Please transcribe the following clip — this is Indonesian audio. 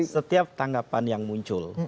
setiap tanggapan yang muncul